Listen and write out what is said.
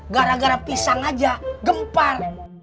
gara gara pisang aja gempa